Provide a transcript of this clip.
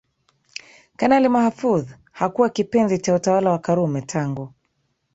Kanali Mahfoudh hakuwa kipenzi cha utawala wa Karume tangu